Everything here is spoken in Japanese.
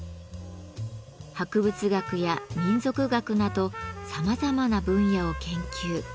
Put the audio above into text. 博物学や民俗学などさまざまな分野を研究。